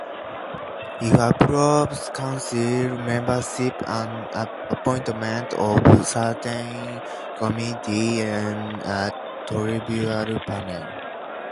It approves council membership and appointment of certain committees and a tribunal panel.